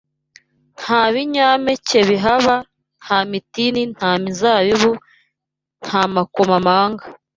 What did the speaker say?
Nta binyampeke bihaba nta mitini nta mizabibu nta makomamanga